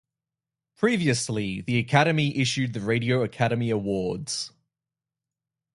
Previously the Academy issued the Radio Academy Awards.